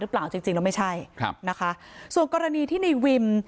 หรือเปล่าจริงแล้วไม่ใช่ค่ะส่วนกรณีที่ในวิม